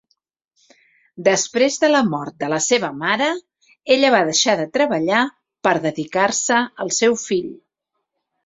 Després de la mort de la seva mare, ella va deixar de treballar per dedicar-se al seu fill.